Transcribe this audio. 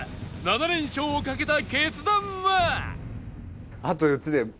７連勝をかけた決断は？